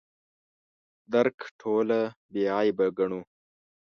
درک ټوله بې عیبه ګڼو.